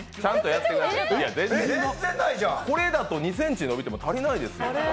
これだと２ｃｍ伸びても足りないですよ？